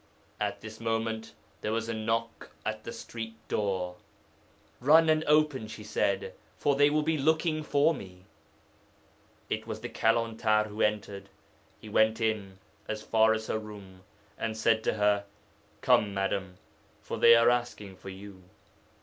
At this moment there was a knock at the street door. "Run and open," she said, "for they will be looking for me." 'It was the Kalantar who entered. He went in, as far as her room, and said to her, "Come, Madam, for they are asking for you."